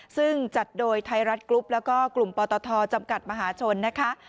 ซึ่งจัดโดยไทยรัฐกรุ๊ปแล้วก็กลุ่มปตทจำกัดมหาชนนะคะ